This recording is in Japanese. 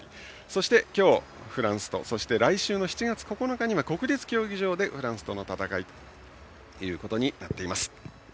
そして、今日フランスとそして来週の７月９日には国立競技場でフランスとの戦いということになっています。